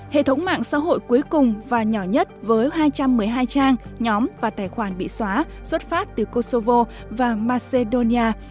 hệ thống mạng xã hội cuối cùng và nhỏ nhất với hai trăm một mươi hai trang nhóm và tài khoản bị xóa xuất phát từ kosovo và macedonia